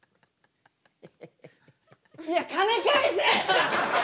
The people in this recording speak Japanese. いや金返せ！